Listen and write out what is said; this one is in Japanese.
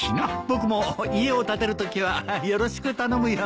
僕も家を建てるときはよろしく頼むよ。